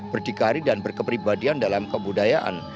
berdikari dan berkepribadian dalam kebudayaan